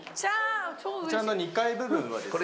こちらの２階部分はですね